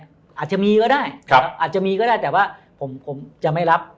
อาจจะมีก็ได้แต่ว่าผมจะไม่รับ